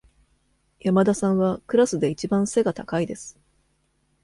山田さんはクラスでいちばん背が高いです。